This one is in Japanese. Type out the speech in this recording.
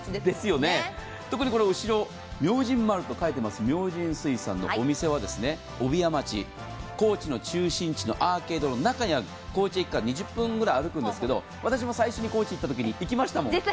特にこの後ろ、明神丸と書いてある明神水産のお店は、高知の中心地のアーケードの中にある、高知駅から２０分ぐらい歩くんですけど、私も最初に高知に行ったときに歩きましたもん。